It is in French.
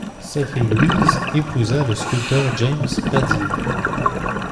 Sa fille Louise épousa le sculpteur James Pradier.